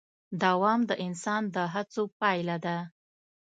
دوام د انسان د هڅو پایله ده.